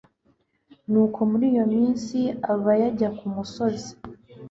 Nuko muri iyo minsi avayo ajya ku musozi